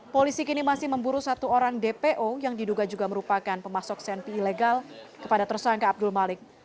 polisi kini masih memburu satu orang dpo yang diduga juga merupakan pemasok senpi ilegal kepada tersangka abdul malik